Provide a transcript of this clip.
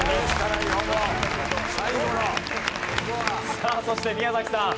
さあそして宮崎さん。